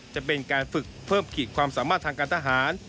จะเป็นการฝึกเพิ่มขีดความสามารถทางการทหาร